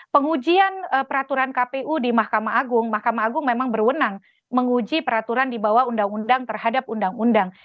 pengujian peraturan kpu di mahkamah agung mahkamah agung memang berwenang menguji peraturan di bawah undang undang terhadap undang undang